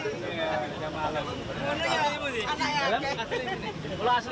di tempat yang asli di jemaah